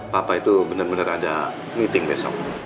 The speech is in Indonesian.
papa itu bener bener ada meeting besok